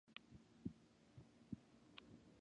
Tithonus was the son of Laomedon of Troy.